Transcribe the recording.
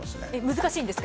難しいんですか？